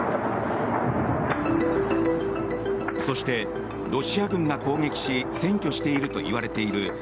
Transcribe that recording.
そして、ロシア軍が攻撃し占拠しているといわれている